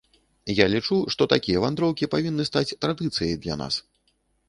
Я лічу, што такія вандроўкі павінны стаць традыцыяй для нас.